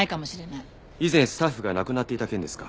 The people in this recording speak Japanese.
以前スタッフが亡くなっていた件ですか？